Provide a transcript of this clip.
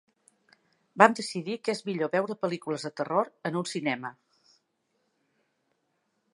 Vam decidir que és millor veure pel·lícules de terror en un cinema.